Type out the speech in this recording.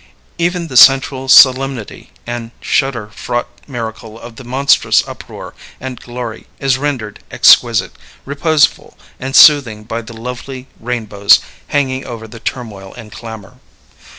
Even the central solemnity and shudder fraught miracle of the monstrous uproar and glory is rendered exquisite, reposeful, and soothing by the lovely rainbows hanging over the turmoil and clamor.